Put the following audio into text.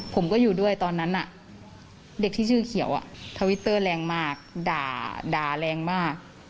ผมก็อยู่ด้วยตอนนั้นเด็กที่ชื่อเขียวทวิตเตอร์แรงมากด่าแรงมาก